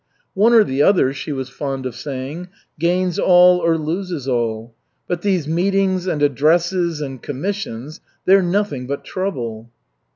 "One or the other," she was fond of saying, "gains all or loses all. But these meetings and addresses and commissions, they're nothing but trouble."